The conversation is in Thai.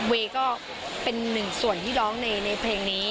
เวย์ก็เป็นหนึ่งส่วนที่ร้องในเพลงนี้